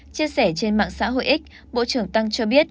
chia sẻ trên mạng xã hội x bộ trưởng tăng cho biết